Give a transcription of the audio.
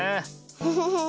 フフフー。